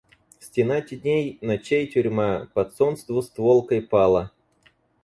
Стена теней, ночей тюрьма под солнц двустволкой пала.